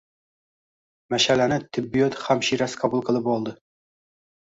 Mash’alani tibbiyot hamshirasi qabul qilib oldi.